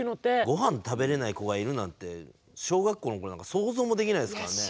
御飯食べれない子がいるなんて小学校の頃なんか想像もできないですからね。